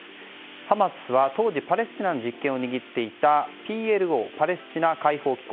ハマスは当時パレスチナの実権を握っていたＰＬＯ・パレスチナ解放機構。